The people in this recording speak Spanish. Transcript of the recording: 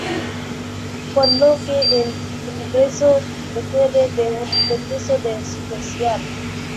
Por lo que el ingreso requiere de un permiso de especial.